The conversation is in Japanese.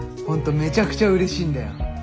めちゃくちゃうれしいんだよ。は？